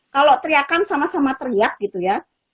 kalau teriakan sama sama teriak gitu ya